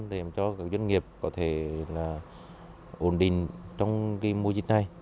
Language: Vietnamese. để cho các doanh nghiệp có thể ổn định trong mùa dịch này